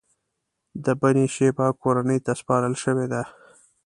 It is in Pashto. د بنی شیبه کورنۍ ته سپارل شوې ده.